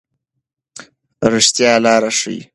رښتیا لار ښيي.